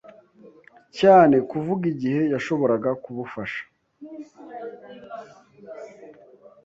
cyane kuvuga igihe yashoboraga kubufasha.